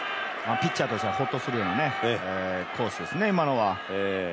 ピッチャーとしてはほっとするようなコースですよね、今のは。